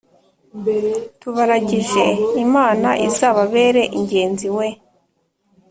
tubaragije imana izababere ingenzi weee